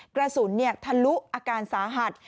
กระสุนทะลุอาการสาหัส